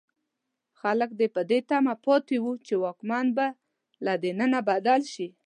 خلک تل په دې تمه پاتې وو چې واکمن به له دننه بدل شي.